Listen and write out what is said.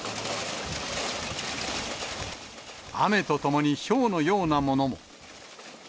雨とともにひょうのようなものも。